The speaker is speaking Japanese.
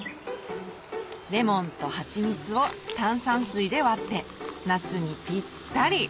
レモンと蜂蜜を炭酸水で割って夏にぴったり！